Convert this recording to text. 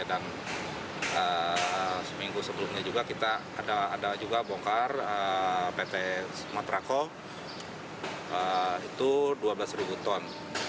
dan seminggu sebelumnya juga kita ada juga bongkar pt sumaterako itu dua belas ribu ton